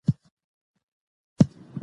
په دغه ولايت كې كه څه هم ادبي څېرې ښې ډېرې